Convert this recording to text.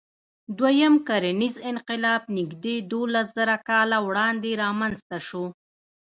دوهیم کرنیز انقلاب نږدې دولسزره کاله وړاندې رامنځ ته شو.